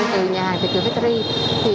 từ nhà hàng thủy thuế petri thì